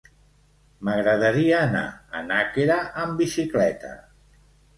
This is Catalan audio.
M'agradaria anar a Nàquera amb bicicleta.